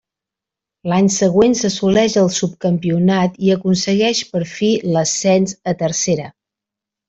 L'any següent s'assoleix el subcampionat i aconsegueix per fi l'ascens a Tercera.